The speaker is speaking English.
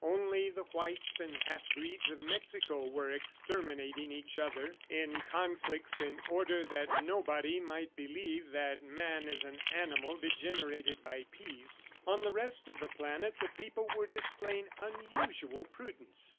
Only the whites and half breeds of Mexico were exterminating each other in conflicts in order that nobody might believe that man is an animal degenerated by peace. On the rest of the planet, the people were displaying unusual prudence.